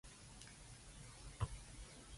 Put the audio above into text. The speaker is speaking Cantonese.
我覺得自己係零